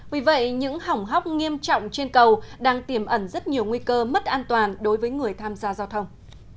vì vậy những hỏng hóc nghiêm trọng trên cầu đang tiềm ẩn rất nhiều nguy cơ mất an toàn đối với người tham gia giao thông